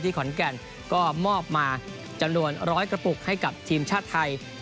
ขอนแก่นก็มอบมาจำนวน๑๐๐กระปุกให้กับทีมชาติไทย